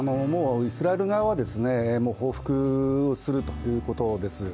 イスラエル側は、報復をするということです。